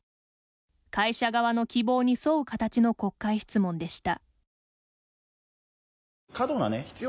会社側の希望に沿う形の国会質問でした。